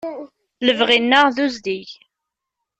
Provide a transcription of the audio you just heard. Lebɣi-nneɣ d uzzig.